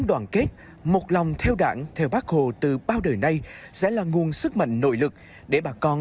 đoàn kết một lòng theo đảng theo bác hồ từ bao đời nay sẽ là nguồn sức mạnh nội lực để bà con